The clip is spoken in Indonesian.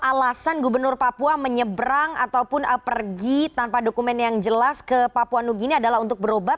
alasan gubernur papua menyebrang ataupun pergi tanpa dokumen yang jelas ke papua nuginia adalah untuk berobat